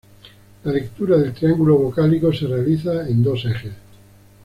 La lectura del triángulo vocálico se realiza en dos ejes.